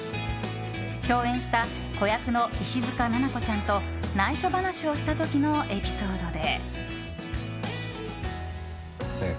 共演した子役の石塚七菜子ちゃんと内緒話をした時のエピソードで。